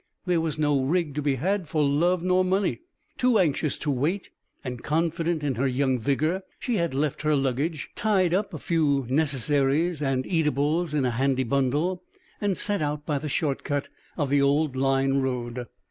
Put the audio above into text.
There was no rig to be had for love or money. Too anxious to wait, and confident in her young vigor, she had left her luggage, tied up a few necessaries and eatables in a handy bundle, and set out by the short cut of the old Line Road.